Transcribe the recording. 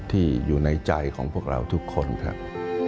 ที่อยู่ในใจของพวกเราทุกคนครับ